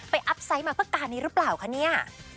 อัพไซต์มาเพื่อการนี้หรือเปล่าคะเนี่ย